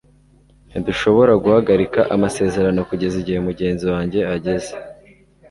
ntidushobora guhagarika amasezerano kugeza igihe mugenzi wanjye ageze